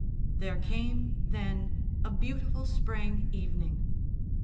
There came, then, a beautiful spring evening.